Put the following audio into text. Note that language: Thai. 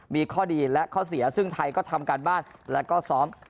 มีข้อดีและข้อเสียซึ่งไทยก็ทำการบ้านแล้วก็ซ้อม